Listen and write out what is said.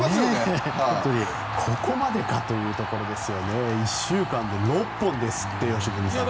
ここまでかというところで１週間で６本ですって良純さん。